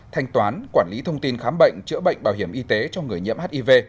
thanh toán quản lý thông tin khám bệnh chữa bệnh bảo hiểm y tế cho người nhiễm hiv